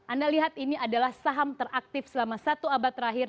anda lihat ini adalah saham teraktif selama satu abad terakhir